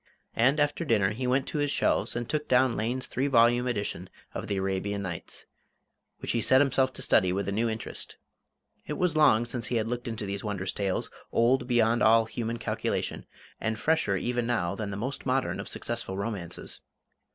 And after dinner he went to his shelves and took down Lane's three volume edition of "The Arabian Nights," which he set himself to study with a new interest. It was long since he had looked into these wondrous tales, old beyond all human calculation, and fresher, even now, than the most modern of successful romances.